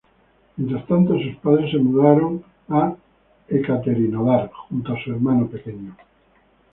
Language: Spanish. Mientras tanto sus padres se mudaron a Ekaterinodar junto a su hermano pequeño.